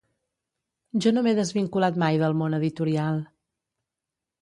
Jo no m’he desvinculat mai del món editorial.